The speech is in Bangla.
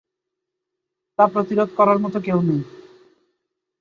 তা প্রতিরোধ করার মত কেউ নেই।